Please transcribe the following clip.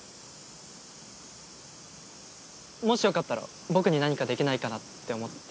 もしよかったら僕に何かできないかなって思って。